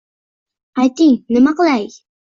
Ayting nima qilay